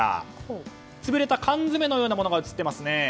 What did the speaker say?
潰れた缶詰のようなものが映っていますね。